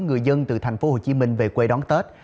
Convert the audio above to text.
người dân từ tp hcm về quê đón tết